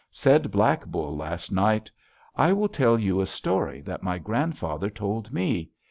Said Black Bull last night: "I will tell you a story that my grandfather told me.